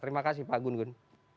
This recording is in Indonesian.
terima kasih pak gun gun